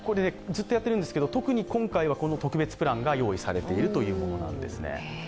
ずっとやっているんですけど、特に今回はこの特別プランが用意されているというものです。